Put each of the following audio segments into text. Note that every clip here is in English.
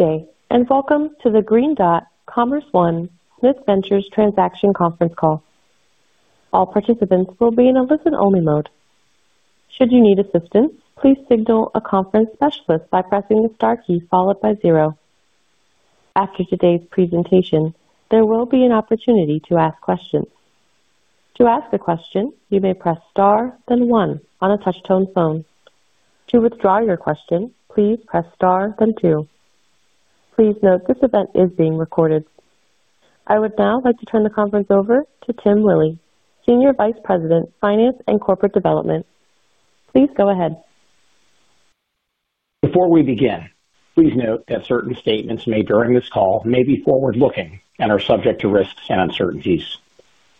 Good day, and welcome to the Green Dot CommerceOne Smith Ventures Transaction Conference Call. All participants will be in a listen-only mode. Should you need assistance, please signal a conference specialist by pressing the star key followed by zero. After today's presentation, there will be an opportunity to ask questions. To ask a question, you may press star, then one on a touch-tone phone. To withdraw your question, please press star, then two. Please note this event is being recorded. I would now like to turn the conference over to Tim Willi, Senior Vice President, Finance and Corporate Development. Please go ahead. Before we begin, please note that certain statements made during this call may be forward-looking and are subject to risks and uncertainties.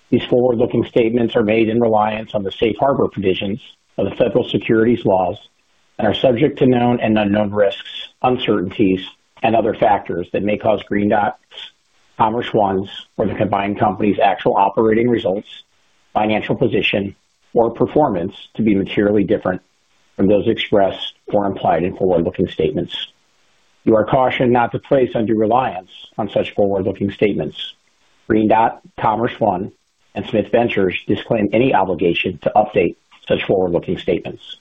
These forward-looking statements are made in reliance on the safe harbor provisions of the federal securities laws and are subject to known and unknown risks, uncertainties, and other factors that may cause Green Dot's, CommerceOne's, or the combined company's actual operating results, financial position, or performance to be materially different from those expressed or implied in forward-looking statements. You are cautioned not to place undue reliance on such forward-looking statements. Green Dot, CommerceOne, and Smith Ventures disclaim any obligation to update such forward-looking statements.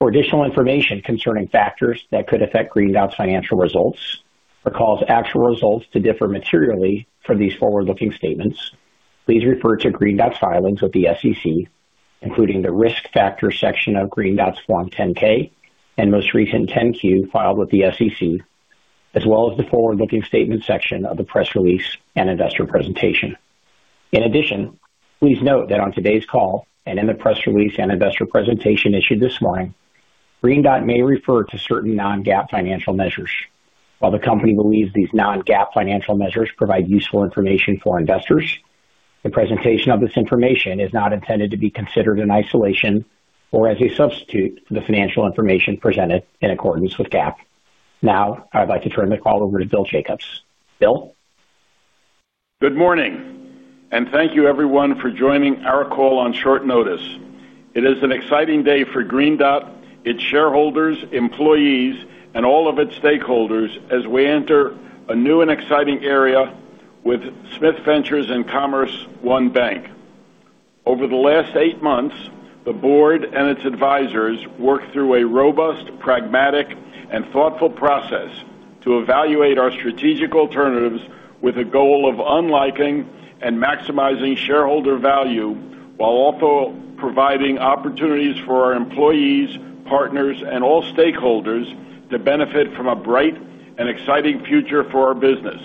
For additional information concerning factors that could affect Green Dot's financial results or cause actual results to differ materially from these forward-looking statements, please refer to Green Dot's filings with the SEC, including the risk factor section of Green Dot's Form 10-K and most recent 10-Q filed with the SEC, as well as the forward-looking statement section of the press release and investor presentation. In addition, please note that on today's call and in the press release and investor presentation issued this morning, Green Dot may refer to certain non-GAAP financial measures. While the company believes these non-GAAP financial measures provide useful information for investors, the presentation of this information is not intended to be considered in isolation or as a substitute for the financial information presented in accordance with GAAP. Now, I would like to turn the call over to Bill Jacobs. Bill? Good morning, and thank you everyone for joining our call on short notice. It is an exciting day for Green Dot, its shareholders, employees, and all of its stakeholders as we enter a new and exciting area with Smith Ventures and CommerceOne Bank. Over the last eight months, the board and its advisors worked through a robust, pragmatic, and thoughtful process to evaluate our strategic alternatives with a goal of unlocking and maximizing shareholder value while also providing opportunities for our employees, partners, and all stakeholders to benefit from a bright and exciting future for our business.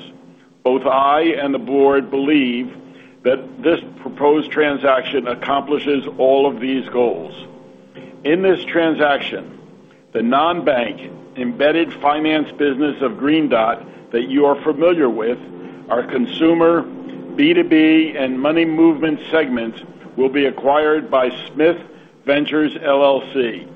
Both I and the board believe that this proposed transaction accomplishes all of these goals. In this transaction, the non-bank embedded finance business of Green Dot that you are familiar with, our consumer, B2B, and money movement segments, will be acquired by Smith Ventures LLC.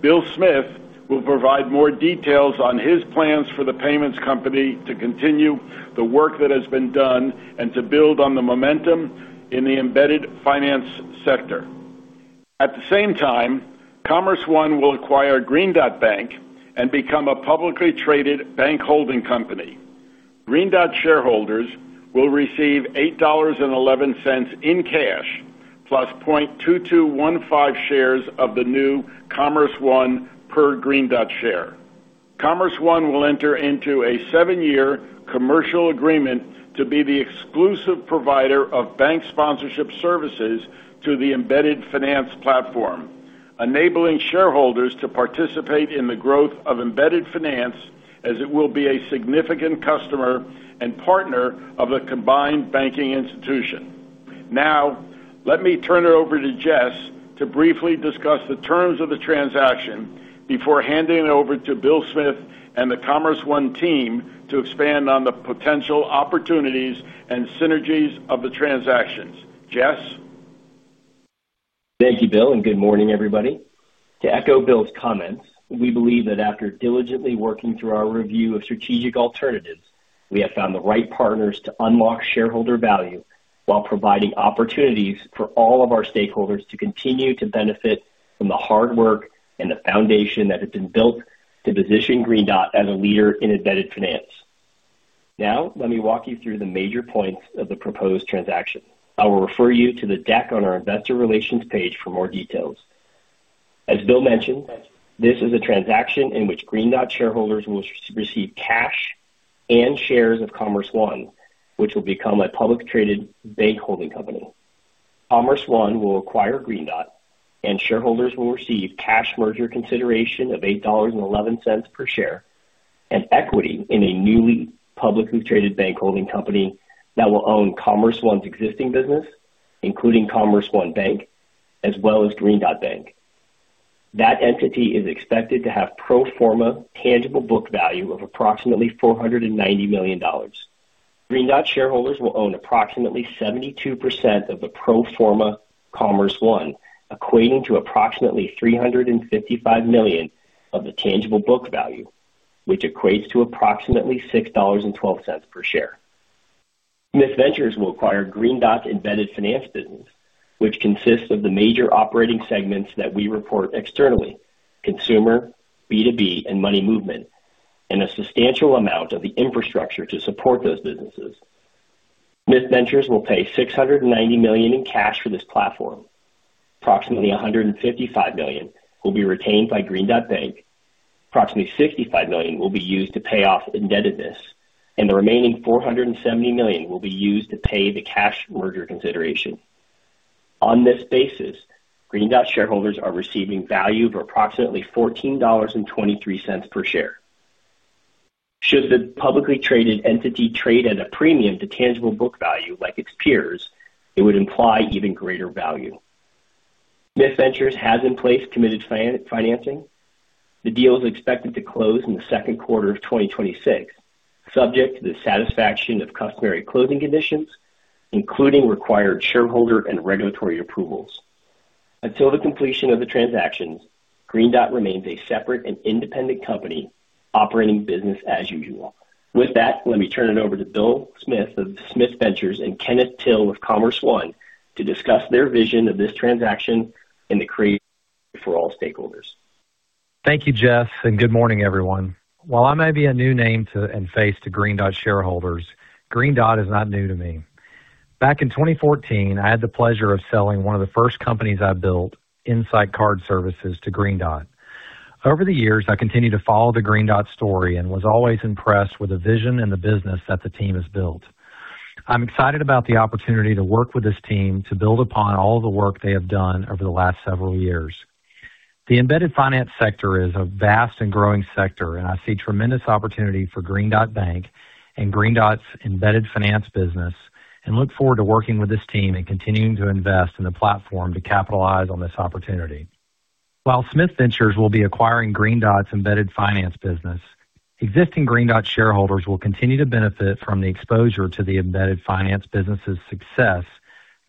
Bill Smith will provide more details on his plans for the payments company to continue the work that has been done and to build on the momentum in the embedded finance sector. At the same time, CommerceOne will acquire Green Dot Bank and become a publicly traded bank holding company. Green Dot shareholders will receive $8.11 in cash plus 0.2215 shares of the new CommerceOne per Green Dot share. CommerceOne will enter into a seven-year commercial agreement to be the exclusive provider of bank sponsorship services to the embedded finance platform, enabling shareholders to participate in the growth of embedded finance as it will be a significant customer and partner of the combined banking institution. Now, let me turn it over to Jess to briefly discuss the terms of the transaction before handing it over to Bill Smith and the CommerceOne team to expand on the potential opportunities and synergies of the transactions. Jess? Thank you, Bill, and good morning, everybody. To echo Bill's comments, we believe that after diligently working through our review of strategic alternatives, we have found the right partners to unlock shareholder value while providing opportunities for all of our stakeholders to continue to benefit from the hard work and the foundation that has been built to position Green Dot as a leader in embedded finance. Now, let me walk you through the major points of the proposed transaction. I will refer you to the deck on our investor relations page for more details. As Bill mentioned, this is a transaction in which Green Dot shareholders will receive cash and shares of CommerceOne, which will become a publicly traded bank holding company. CommerceOne will acquire Green Dot, and shareholders will receive cash merger consideration of $8.11 per share and equity in a newly publicly traded bank holding company that will own CommerceOne's existing business, including CommerceOne Bank, as well as Green Dot Bank. That entity is expected to have pro forma tangible book value of approximately $490 million. Green Dot shareholders will own approximately 72% of the pro forma CommerceOne, equating to approximately $355 million of the tangible book value, which equates to approximately $6.12 per share. Smith Ventures will acquire Green Dot's embedded finance business, which consists of the major operating segments that we report externally: consumer, B2B, and money movement, and a substantial amount of the infrastructure to support those businesses. Smith Ventures will pay $690 million in cash for this platform. Approximately $155 million will be retained by Green Dot Bank. Approximately $65 million will be used to pay off indebtedness, and the remaining $470 million will be used to pay the cash merger consideration. On this basis, Green Dot shareholders are receiving value of approximately $14.23 per share. Should the publicly traded entity trade at a premium to tangible book value like its peers, it would imply even greater value. Smith Ventures has in place committed financing. The deal is expected to close in the second quarter of 2026, subject to the satisfaction of customary closing conditions, including required shareholder and regulatory approvals. Until the completion of the transactions, Green Dot remains a separate and independent company operating business as usual. With that, let me turn it over to Bill Smith of Smith Ventures and Kenneth Till of CommerceOne to discuss their vision of this transaction and the creative for all stakeholders. Thank you, Jess, and good morning, everyone. While I may be a new name and face to Green Dot shareholders, Green Dot is not new to me. Back in 2014, I had the pleasure of selling one of the first companies I built, Insight Card Services, to Green Dot. Over the years, I continued to follow the Green Dot story and was always impressed with the vision and the business that the team has built. I'm excited about the opportunity to work with this team to build upon all of the work they have done over the last several years. The embedded finance sector is a vast and growing sector, and I see tremendous opportunity for Green Dot Bank and Green Dot's embedded finance business, and look forward to working with this team and continuing to invest in the platform to capitalize on this opportunity. While Smith Ventures will be acquiring Green Dot's embedded finance business, existing Green Dot shareholders will continue to benefit from the exposure to the embedded finance business's success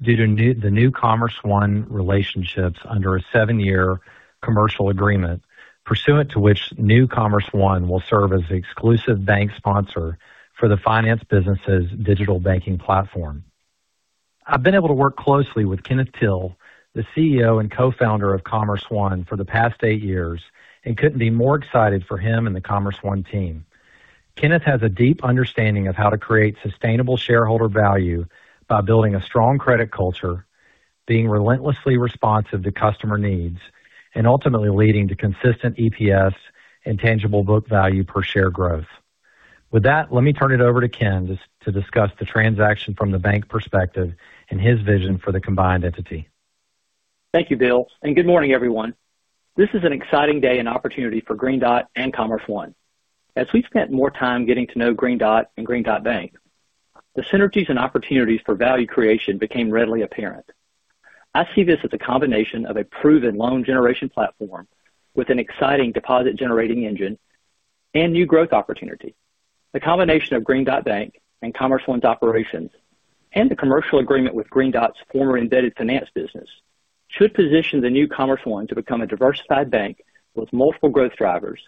due to the new CommerceOne relationships under a seven-year commercial agreement, pursuant to which new CommerceOne will serve as the exclusive bank sponsor for the finance business's digital banking platform. I've been able to work closely with Kenneth Till, the CEO and co-founder of CommerceOne, for the past eight years and couldn't be more excited for him and the CommerceOne team. Kenneth has a deep understanding of how to create sustainable shareholder value by building a strong credit culture, being relentlessly responsive to customer needs, and ultimately leading to consistent EPS and tangible book value per share growth. With that, let me turn it over to Kenneth to discuss the transaction from the bank perspective and his vision for the combined entity. Thank you, Bill, and good morning, everyone. This is an exciting day and opportunity for Green Dot and CommerceOne. As we spent more time getting to know Green Dot and Green Dot Bank, the synergies and opportunities for value creation became readily apparent. I see this as a combination of a proven loan generation platform with an exciting deposit-generating engine and new growth opportunity. The combination of Green Dot Bank and CommerceOne's operations and the commercial agreement with Green Dot's former embedded finance business should position the new CommerceOne to become a diversified bank with multiple growth drivers,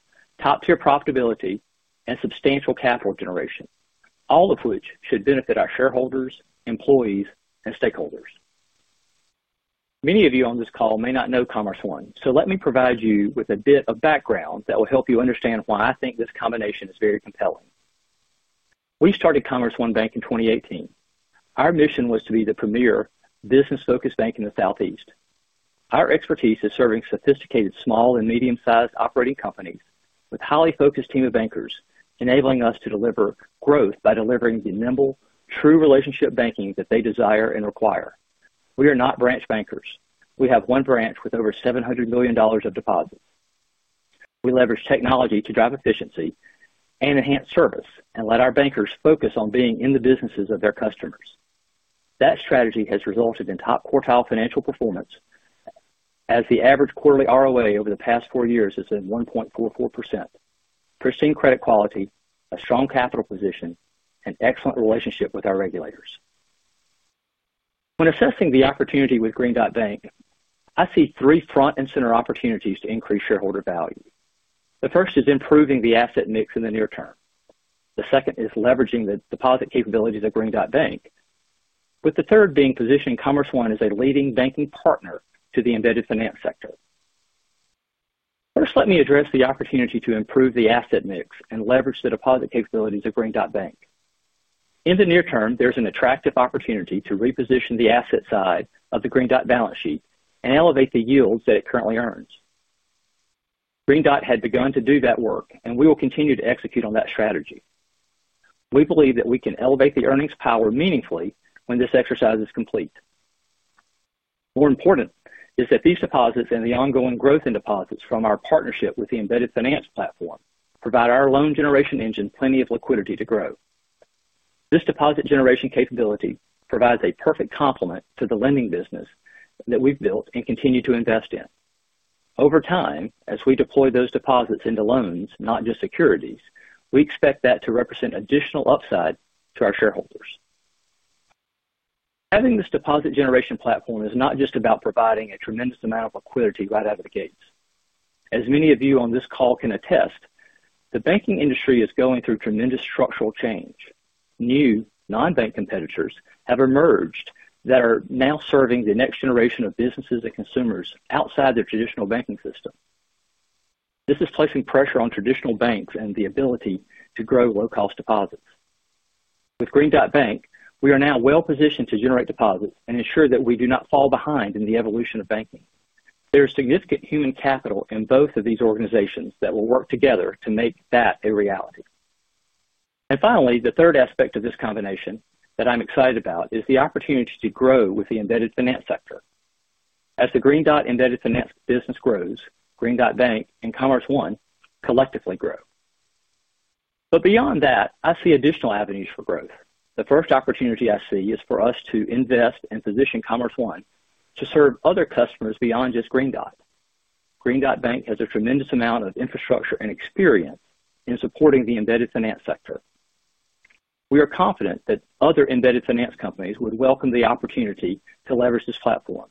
top-tier profitability, and substantial capital generation, all of which should benefit our shareholders, employees, and stakeholders. Many of you on this call may not know CommerceOne, so let me provide you with a bit of background that will help you understand why I think this combination is very compelling. We started CommerceOne Bank in 2018. Our mission was to be the premier business-focused bank in the Southeast. Our expertise is serving sophisticated small and medium-sized operating companies with a highly focused team of bankers, enabling us to deliver growth by delivering the nimble, true relationship banking that they desire and require. We are not branch bankers. We have one branch with over $700 million of deposits. We leverage technology to drive efficiency and enhance service and let our bankers focus on being in the businesses of their customers. That strategy has resulted in top quartile financial performance as the average quarterly ROA over the past four years has been 1.44%, pristine credit quality, a strong capital position, and excellent relationship with our regulators. When assessing the opportunity with Green Dot Bank, I see three front-and-center opportunities to increase shareholder value. The first is improving the asset mix in the near term. The second is leveraging the deposit capabilities of Green Dot Bank, with the third being positioning CommerceOne as a leading banking partner to the embedded finance sector. First, let me address the opportunity to improve the asset mix and leverage the deposit capabilities of Green Dot Bank. In the near term, there's an attractive opportunity to reposition the asset side of the Green Dot balance sheet and elevate the yields that it currently earns. Green Dot had begun to do that work, and we will continue to execute on that strategy. We believe that we can elevate the earnings power meaningfully when this exercise is complete. More important is that these deposits and the ongoing growth in deposits from our partnership with the embedded finance platform provide our loan generation engine plenty of liquidity to grow. This deposit generation capability provides a perfect complement to the lending business that we've built and continue to invest in. Over time, as we deploy those deposits into loans, not just securities, we expect that to represent additional upside to our shareholders. Having this deposit generation platform is not just about providing a tremendous amount of liquidity right out of the gates. As many of you on this call can attest, the banking industry is going through tremendous structural change. New non-bank competitors have emerged that are now serving the next generation of businesses and consumers outside the traditional banking system. This is placing pressure on traditional banks and the ability to grow low-cost deposits. With Green Dot Bank, we are now well-positioned to generate deposits and ensure that we do not fall behind in the evolution of banking. There is significant human capital in both of these organizations that will work together to make that a reality. Finally, the third aspect of this combination that I'm excited about is the opportunity to grow with the embedded finance sector. As the Green Dot embedded finance business grows, Green Dot Bank and CommerceOne collectively grow. Beyond that, I see additional avenues for growth. The first opportunity I see is for us to invest and position CommerceOne to serve other customers beyond just Green Dot. Green Dot Bank has a tremendous amount of infrastructure and experience in supporting the embedded finance sector. We are confident that other embedded finance companies would welcome the opportunity to leverage this platform.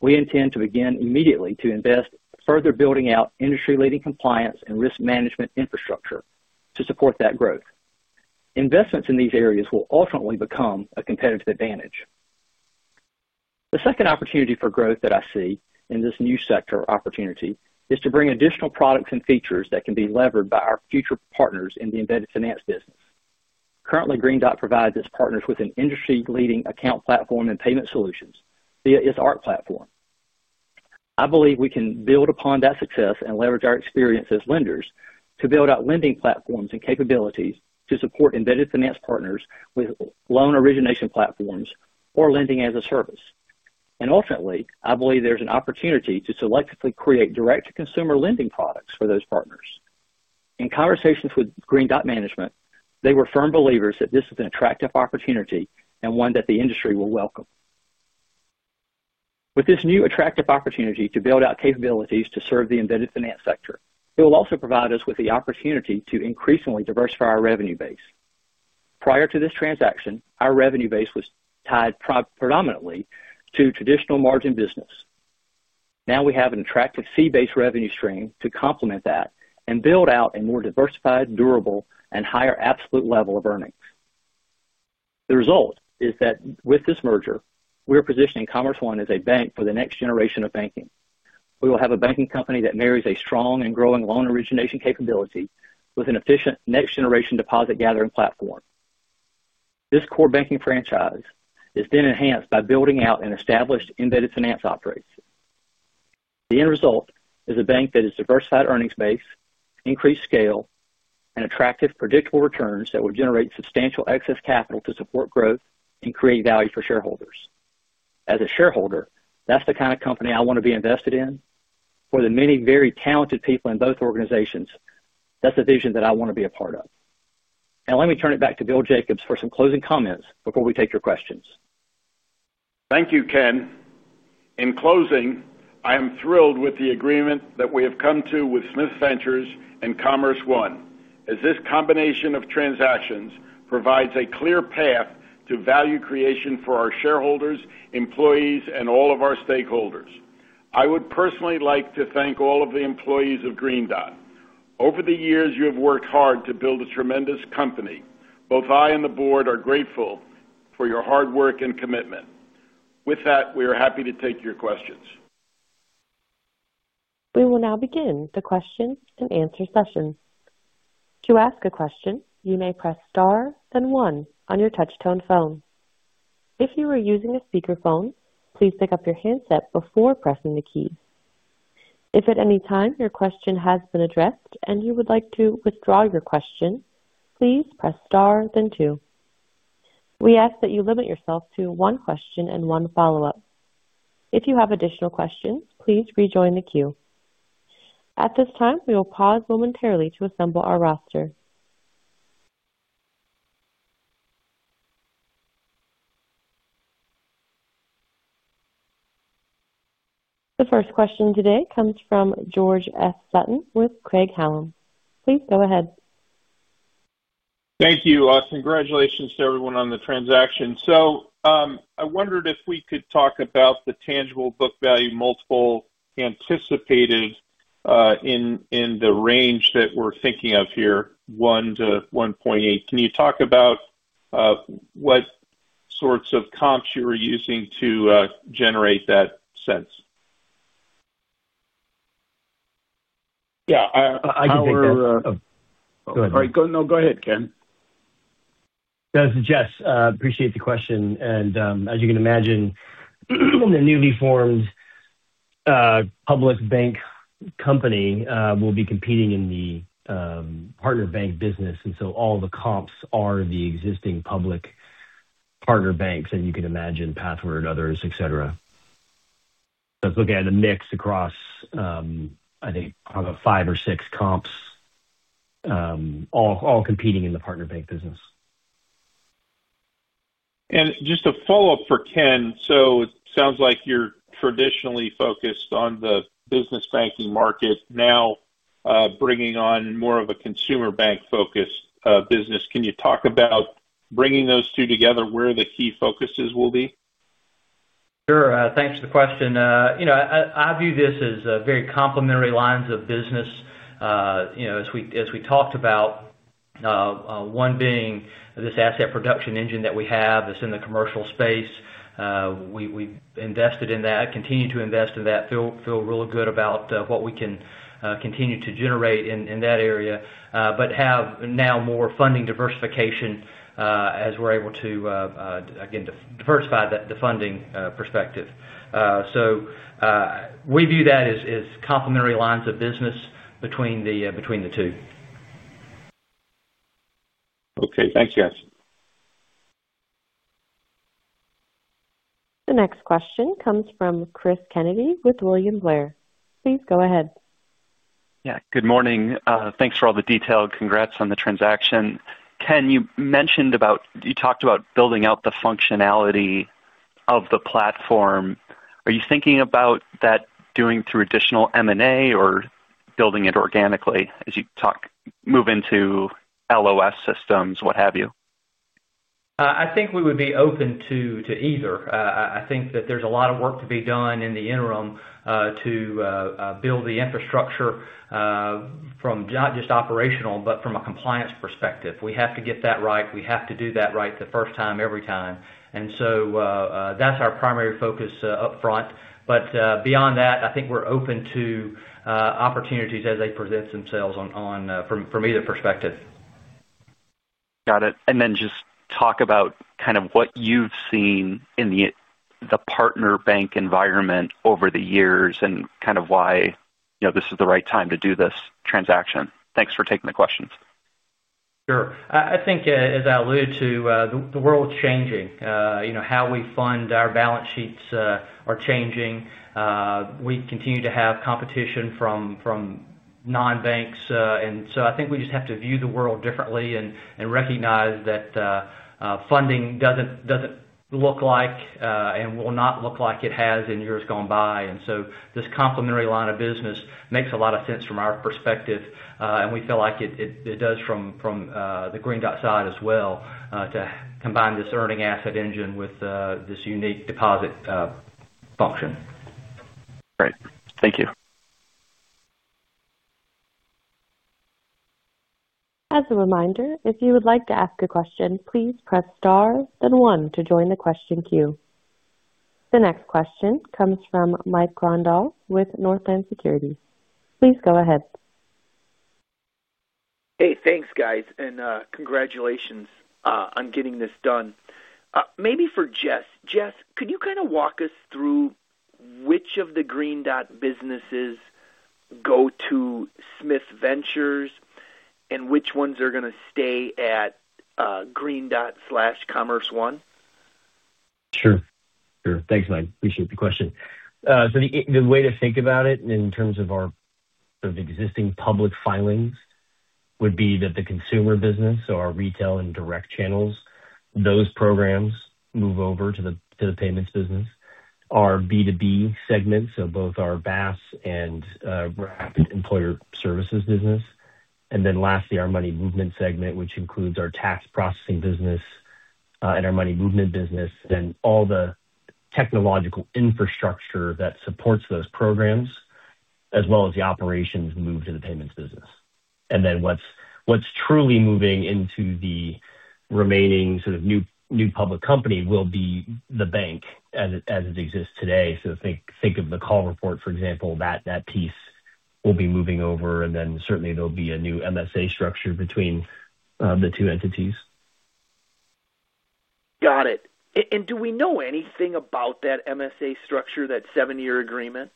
We intend to begin immediately to invest further building out industry-leading compliance and risk management infrastructure to support that growth. Investments in these areas will ultimately become a competitive advantage. The second opportunity for growth that I see in this new sector opportunity is to bring additional products and features that can be leveraged by our future partners in the embedded finance business. Currently, Green Dot provides its partners with an industry-leading account platform and payment solutions via its Arc platform. I believe we can build upon that success and leverage our experience as lenders to build out lending platforms and capabilities to support embedded finance partners with loan origination platforms or lending as a service. Ultimately, I believe there's an opportunity to selectively create direct-to-consumer lending products for those partners. In conversations with Green Dot management, they were firm believers that this is an attractive opportunity and one that the industry will welcome. With this new attractive opportunity to build out capabilities to serve the embedded finance sector, it will also provide us with the opportunity to increasingly diversify our revenue base. Prior to this transaction, our revenue base was tied predominantly to traditional margin business. Now we have an attractive fee-based revenue stream to complement that and build out a more diversified, durable, and higher absolute level of earnings. The result is that with this merger, we are positioning CommerceOne as a bank for the next generation of banking. We will have a banking company that marries a strong and growing loan origination capability with an efficient next-generation deposit-gathering platform. This core banking franchise is then enhanced by building out an established embedded finance operation. The end result is a bank that has a diversified earnings base, increased scale, and attractive, predictable returns that will generate substantial excess capital to support growth and create value for shareholders. As a shareholder, that's the kind of company I want to be invested in. For the many very talented people in both organizations, that's the vision that I want to be a part of. Now, let me turn it back to Bill Jacobs for some closing comments before we take your questions. Thank you, Kenneth. In closing, I am thrilled with the agreement that we have come to with Smith Ventures and CommerceOne, as this combination of transactions provides a clear path to value creation for our shareholders, employees, and all of our stakeholders. I would personally like to thank all of the employees of Green Dot. Over the years, you have worked hard to build a tremendous company. Both I and the board are grateful for your hard work and commitment. With that, we are happy to take your questions. We will now begin the question and answer session. To ask a question, you may press star, then one on your touch-tone phone. If you are using a speakerphone, please pick up your handset before pressing the keys. If at any time your question has been addressed and you would like to withdraw your question, please press star, then two. We ask that you limit yourself to one question and one follow-up. If you have additional questions, please rejoin the queue. At this time, we will pause momentarily to assemble our roster. The first question today comes from George S. Sutton with Craig-Hallum. Please go ahead. Thank you, Austin. Congratulations to everyone on the transaction. I wondered if we could talk about the tangible book value multiple anticipated in the range that we're thinking of here, one to 1.8. Can you talk about what sorts of comps you were using to generate that sense? Yeah. I can hear a— Go ahead. All right. No, go ahead, Kenneth. This is Jess. I appreciate the question. As you can imagine, the newly formed public bank company will be competing in the partner bank business. All the comps are the existing public partner banks, and you can imagine Pathward, others, etc. It is looking at a mix across, I think, probably five or six comps, all competing in the partner bank business. Just a follow-up for Kenneth. It sounds like you're traditionally focused on the business banking market, now bringing on more of a consumer bank-focused business. Can you talk about bringing those two together, where the key focuses will be? Sure. Thanks for the question. I view this as very complementary lines of business, as we talked about, one being this asset production engine that we have that's in the commercial space. We've invested in that, continue to invest in that, feel real good about what we can continue to generate in that area, but have now more funding diversification as we're able to, again, diversify the funding perspective. I view that as complementary lines of business between the two. Okay. Thanks, guys. The next question comes from Chris Kennedy with William Blair. Please go ahead. Yeah. Good morning. Thanks for all the detail. Congrats on the transaction. Kenneth, you mentioned about—you talked about building out the functionality of the platform. Are you thinking about that doing through additional M&A or building it organically as you move into LOS systems, what have you? I think we would be open to either. I think that there's a lot of work to be done in the interim to build the infrastructure from not just operational, but from a compliance perspective. We have to get that right. We have to do that right the first time, every time. That is our primary focus upfront. Beyond that, I think we're open to opportunities as they present themselves from either perspective. Got it. Just talk about kind of what you've seen in the partner bank environment over the years and kind of why this is the right time to do this transaction. Thanks for taking the questions. Sure. I think, as I alluded to, the world's changing. How we fund our balance sheets are changing. We continue to have competition from non-banks. I think we just have to view the world differently and recognize that funding does not look like and will not look like it has in years gone by. This complementary line of business makes a lot of sense from our perspective. We feel like it does from the Green Dot side as well to combine this earning asset engine with this unique deposit function. Great. Thank you. As a reminder, if you would like to ask a question, please press star, then one to join the question queue. The next question comes from Mike Grondahl with Northland Securities. Please go ahead. Hey, thanks, guys. Congratulations on getting this done. Maybe for Jess, Jess, could you kind of walk us through which of the Green Dot businesses go to Smith Ventures and which ones are going to stay at Green Dot/CommerceOne? Sure. Thanks, Mike. Appreciate the question. The way to think about it in terms of our existing public filings would be that the consumer business, so our retail and direct channels, those programs move over to the payments business, our B2B segment, so both our BAS and Rapid Employer Services business, and then lastly, our money movement segment, which includes our tax processing business and our money movement business, and all the technological infrastructure that supports those programs, as well as the operations, move to the payments business. What's truly moving into the remaining sort of new public company will be the bank as it exists today. Think of the call report, for example, that piece will be moving over. Certainly, there will be a new MSA structure between the two entities. Got it. Do we know anything about that MSA structure, that seven-year agreement,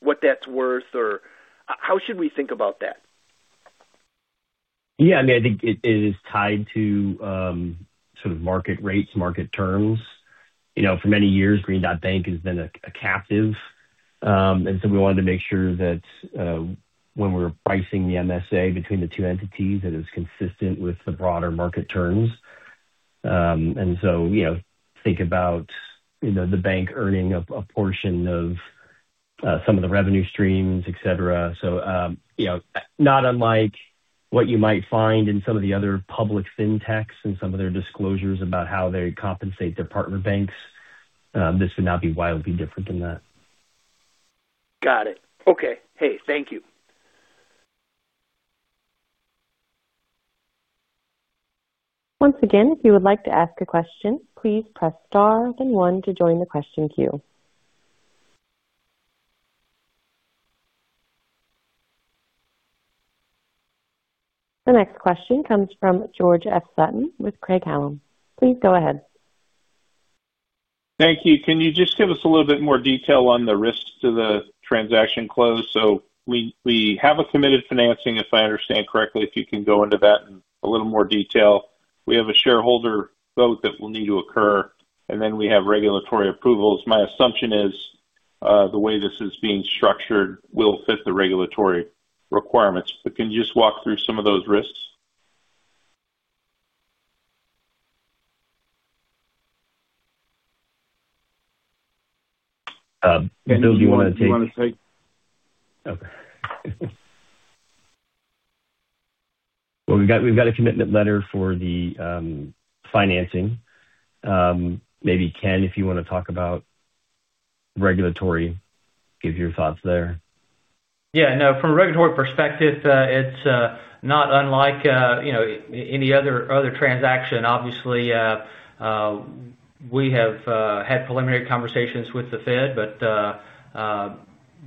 what that's worth, or how should we think about that? Yeah. I mean, I think it is tied to sort of market rates, market terms. For many years, Green Dot Bank has been a captive. We wanted to make sure that when we're pricing the MSA between the two entities, that it's consistent with the broader market terms. Think about the bank earning a portion of some of the revenue streams, etc. Not unlike what you might find in some of the other public fintechs and some of their disclosures about how they compensate their partner banks, this would not be wildly different than that. Got it. Okay. Hey, thank you. Once again, if you would like to ask a question, please press star, then one to join the question queue. The next question comes from George S. Sutton with Craig-Hallum. Please go ahead. Thank you. Can you just give us a little bit more detail on the risks to the transaction close? We have a committed financing, if I understand correctly. If you can go into that in a little more detail. We have a shareholder vote that will need to occur, and then we have regulatory approvals. My assumption is the way this is being structured will fit the regulatory requirements. Can you just walk through some of those risks? Bill, who do you want to take? Okay. We have got a commitment letter for the financing. Maybe Kenneth, if you want to talk about regulatory, give your thoughts there. Yeah. No, from a regulatory perspective, it is not unlike any other transaction. Obviously, we have had preliminary conversations with the Fed, but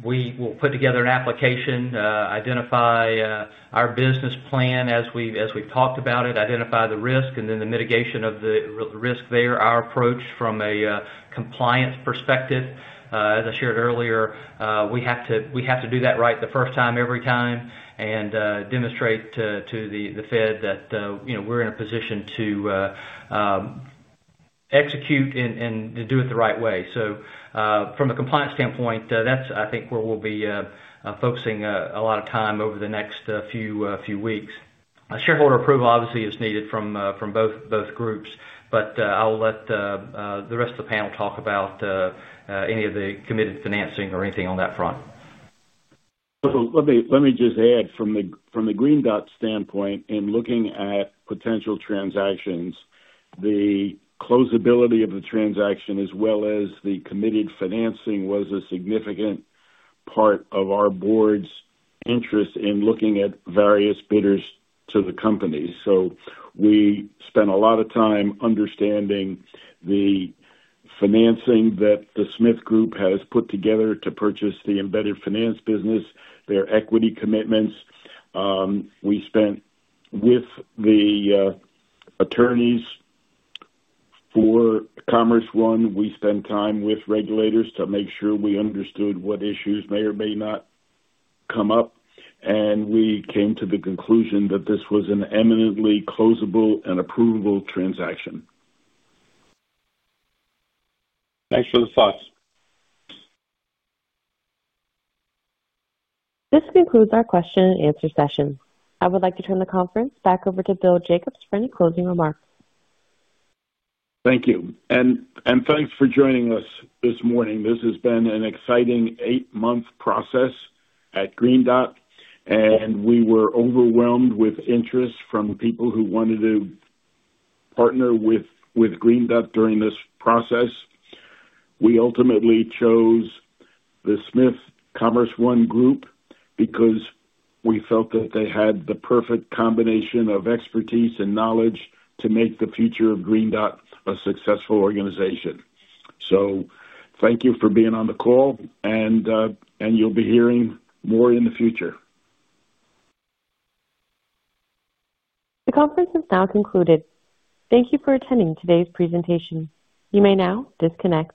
we will put together an application, identify our business plan as we have talked about it, identify the risk, and then the mitigation of the risk there, our approach from a compliance perspective. As I shared earlier, we have to do that right the first time, every time, and demonstrate to the Fed that we are in a position to execute and to do it the right way. From a compliance standpoint, that is, I think, where we will be focusing a lot of time over the next few weeks. Shareholder approval, obviously, is needed from both groups, but I'll let the rest of the panel talk about any of the committed financing or anything on that front. Let me just add, from the Green Dot standpoint, in looking at potential transactions, the closability of the transaction, as well as the committed financing, was a significant part of our board's interest in looking at various bidders to the company. We spent a lot of time understanding the financing that the Smith Ventures Group has put together to purchase the embedded finance business, their equity commitments. We spent with the attorneys for CommerceOne. We spent time with regulators to make sure we understood what issues may or may not come up. We came to the conclusion that this was an eminently closable and approval transaction. Thanks for the thoughts. This concludes our question and answer session. I would like to turn the conference back over to Bill Jacobs for any closing remarks. Thank you. Thanks for joining us this morning. This has been an exciting eight-month process at Green Dot. We were overwhelmed with interest from people who wanted to partner with Green Dot during this process. We ultimately chose the Smith Ventures, CommerceOne Group because we felt that they had the perfect combination of expertise and knowledge to make the future of Green Dot a successful organization. Thank you for being on the call, and you'll be hearing more in the future. The conference has now concluded. Thank you for attending today's presentation. You may now disconnect.